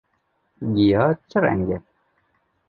Giya çi reng e?